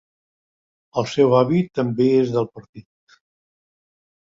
El seu avi també és del partit.